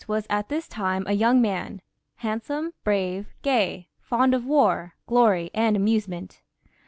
was at this time a young man — ^handsome, brave, gay, fond of war, glory, and apiuse ment.